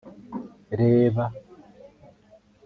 reba